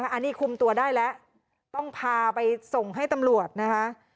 อันนี้คุมตัวได้แล้วต้องพาไปส่งให้ตำรวจนะคะ